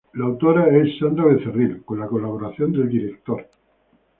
La autora es Sandra Becerril, con la colaboración del director.